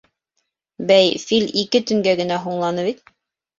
— Бәй, фил ике төнгә генә һуңланы бит.